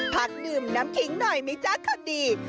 พักดื่มน้ำทิ้งหน่อยมั้ยจ๊ะครับดี